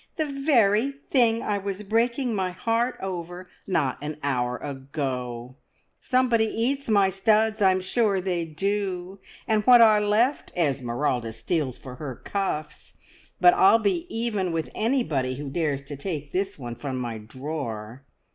The very thing I was breaking my heart over not an hour ago. Somebody eats my studs I'm sure they do and what are left Esmeralda steals for her cuffs. But I'll be even with anybody who dares to take this one from my drawer.